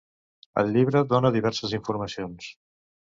El llibre dóna diverses informacions.